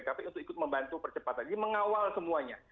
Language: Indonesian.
jadi kita harus ikut membantu percepatan jadi mengawal semuanya